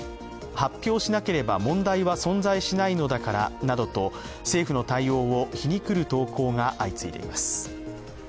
発表しなければ問題は存在しないのだからなどと政府の対応を皮肉る投稿が相次いでいます。